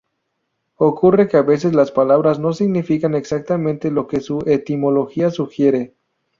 Ocurre que a veces las palabras no significan exactamente lo que su etimología sugiere.